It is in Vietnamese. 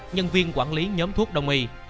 nhân viên quản lý nhóm thuốc đồng y